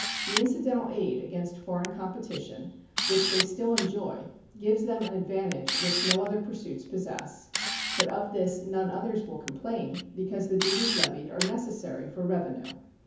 The incidental aid against foreign competition which they still enjoy gives them an advantage which no other pursuits possess, but of this none others will complain, because the duties levied are necessary for revenue.